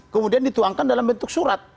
kemudian dituangkan dalam bentuk surat